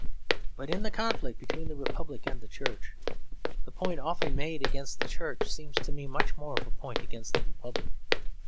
But in the conflict between the Republic and the Church, the point often made against the Church seems to me much more of a point against the Republic.